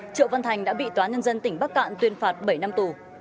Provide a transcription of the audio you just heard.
triệu văn thành đã bị tòa nhân dân tỉnh bắc cạn tuyên phạt bảy năm tù